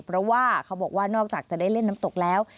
เพราะว่าเขาบอกว่านอกจากจะได้เล่นน้ำตกแล้ว